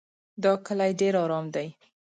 دا کلی ډېر ارام دی.